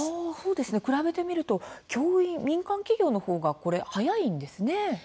比べてみると教員民間企業の方が早いんですね。